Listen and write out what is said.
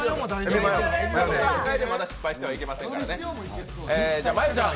この段階でまだ失敗してはいけないですからね。